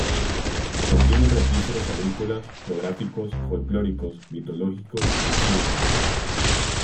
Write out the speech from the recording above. Contienen registros agrícolas, geográficos, folklóricos, mitológicos e históricos.